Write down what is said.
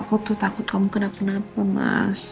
aku tuh takut kamu kena kenapa mas